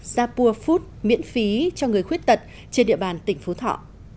zapur food miễn phí cho người khuyết tật trên địa bàn tỉnh phú thọ